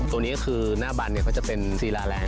ตัวนี้ก็คือหน้าบันก็จะเป็นศิลาแรง